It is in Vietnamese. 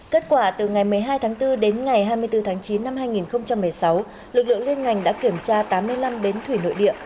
kết quả từ ngày một mươi hai tháng bốn đến ngày hai mươi bốn tháng chín năm hai nghìn một mươi sáu lực lượng liên ngành đã kiểm tra tám mươi năm bến thủy nội địa